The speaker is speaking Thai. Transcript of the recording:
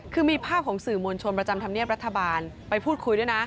คือมีภาพของสื่อมวลชนประจำธรรมเนียบรัฐบาลไปพูดคุยด้วยนะ